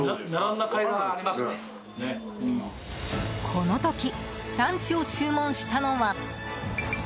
この時ランチを注文したのは。